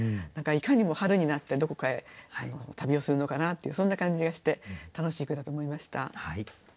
何かいかにも春になってどこかへ旅をするのかなっていうそんな感じがして楽しい句だと思いました。